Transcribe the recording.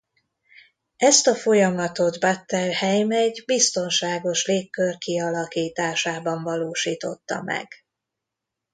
Ezt a folyamatot Bettelheim egy biztonságos légkör kialakításában valósította meg.